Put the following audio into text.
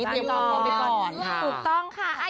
กำลังทำกับพวกเราไปก่อนค่ะใช่ติ๊บต้องติ๊บต้องค่ะ